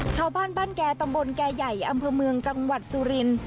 ชาวบ้านบ้านแก่ตำบลแก่ใหญ่อำเภอเมืองจังหวัดสุรินทร์